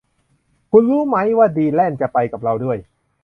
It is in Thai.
คุณรู้มั้ยว่าดีแลนจะไปกับเราด้วย